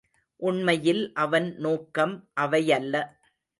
உண்மையில் அவன் நோக்கம் அவையல்ல.